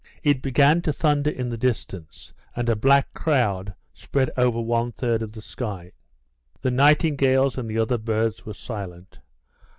It began to thunder in the distance, and a black cloud spread over one third of the sky. The nightingales and the other birds were silent.